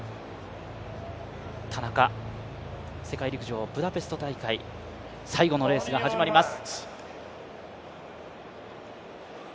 田中、世界陸上ブダペスト大会最後のレースが始まります。